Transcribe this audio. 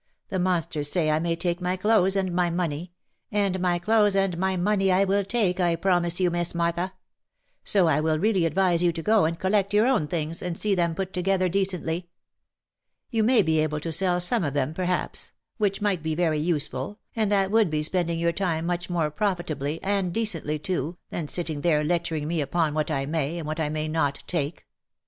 The monsters say I may take my clothes and my money — and my clothes and my money I will take, I promise you, Miss Martha ; so I would really advise you to go and collect your own things, and see them put together decently. You may be able to sell some of them perhaps, which might be very useful, and that would be spending your time much more profitably, and decently too, than sitting there lecturing me upon what I may, and what I may not take.